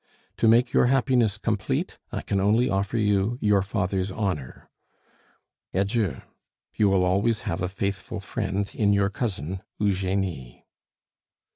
To make your happiness complete I can only offer you your father's honor. Adieu! You will always have a faithful friend in your cousin Eugenie.